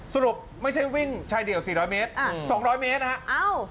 สรุปไม่ใช่วิ่งชายเดี่ยว๔๐๐เมตรอ่า๒๐๐เมตรนะฮะ